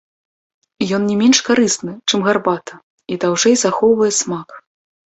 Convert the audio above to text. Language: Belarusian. Ён не менш карысны, чым гарбата, і даўжэй захоўвае смак!